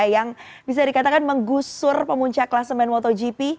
yang bisa dikatakan menggusur pemuncak kelasemen motogp